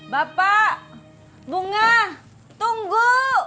bapak bunga tunggu